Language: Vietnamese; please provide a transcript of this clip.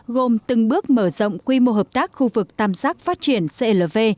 gồm từng bước mở rộng quy mô hợp tác khu vực tam giác phát triển clv